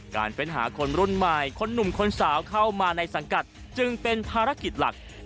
เฟ้นหาคนรุ่นใหม่คนหนุ่มคนสาวเข้ามาในสังกัดจึงเป็นภารกิจหลัก